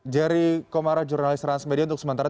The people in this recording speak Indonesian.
jerry komara jurnalis transmedia untuk sementara